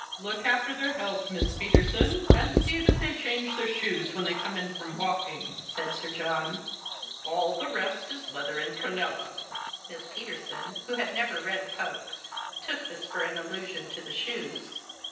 " Look after their health, Miss Peterson, and see that they change their shoes when they come in from walk ing," said Sir John. "'All the rest is leather and prunella." Miss Peterson, who had never read Pope, took this for an allusion to the shoes.